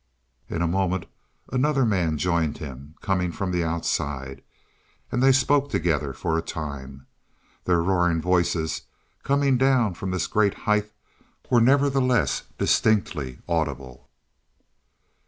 In a moment another man joined him, coming from outside, and they spoke together for a time. Their roaring voices, coming down from this great height, were nevertheless distinctly audible.